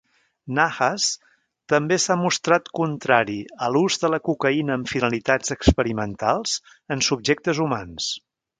Nahas també s'ha mostrat contrari a l'ús de la cocaïna amb finalitats experimentals en subjectes humans.